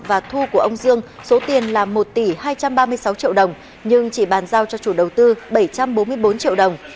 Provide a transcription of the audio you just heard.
và thu của ông dương số tiền là một tỷ hai trăm ba mươi sáu triệu đồng nhưng chỉ bàn giao cho chủ đầu tư bảy trăm bốn mươi bốn triệu đồng